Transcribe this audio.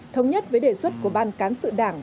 thống nhất với đề xuất của ban cán sự đảng